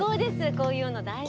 こういうの大好き。